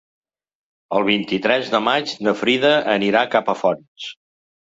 El vint-i-tres de maig na Frida anirà a Capafonts.